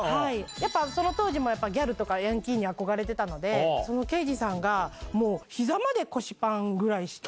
やっぱその当時もやっぱりギャルとかヤンキーに憧れてたので、そのけいじさんが、もう、ひざまで腰パンぐらいして。